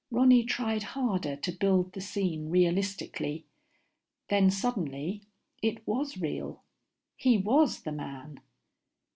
Ronny tried harder to build the scene realistically. Then suddenly it was real. He was the man.